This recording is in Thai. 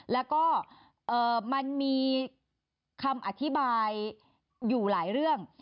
แล้วก็มันมีคำอธิบายอยู่หลายเรื่อง